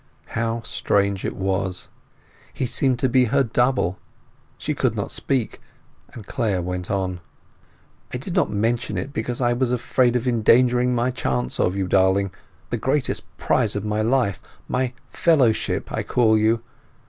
How strange it was! He seemed to be her double. She did not speak, and Clare went on— "I did not mention it because I was afraid of endangering my chance of you, darling, the great prize of my life—my Fellowship I call you.